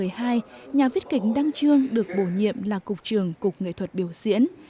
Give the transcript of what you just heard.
năm hai nghìn một mươi hai nhà viết kịch đăng trương được bổ nhiệm là cục trường cục nghệ thuật biểu diễn